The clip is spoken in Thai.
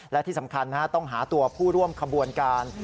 และที่สำคัญต้องหาตัวผู้ร่วมขบวนการ